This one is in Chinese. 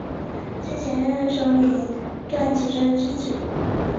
是前任首领段乞珍之子。